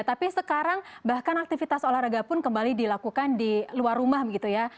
tapi sekarang bahkan aktivitas olahraga pun kembali dilakukan di luar rumah begitu ya